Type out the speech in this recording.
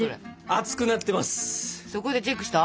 熱くなってます。